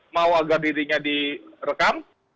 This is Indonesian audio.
mau agar dirinya direkam